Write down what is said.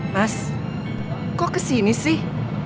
mas kok kesini sih